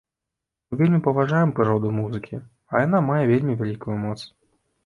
Мы вельмі паважаем прыроду музыкі, а яна мае вельмі вялікую моц.